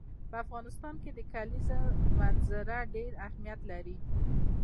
په افغانستان کې د کلیزو منظره ډېر اهمیت لري.